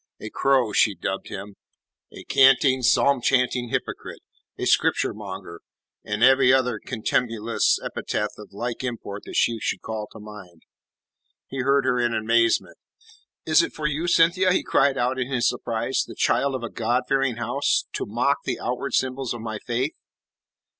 A crow, she dubbed him; a canting, psalm chanting hypocrite; a Scripture monger, and every other contumelious epithet of like import that she should call to mind. He heard her in amazement. "Is it for you, Cynthia," he cried out in his surprise, "the child of a God fearing house, to mock the outward symbols of my faith?"